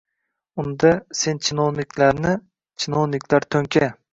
— Unda, sen chinovniklarni..! Chinovniklar to‘nka!